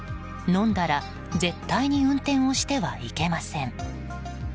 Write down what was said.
飲んだら絶対に運転をしてはいけません。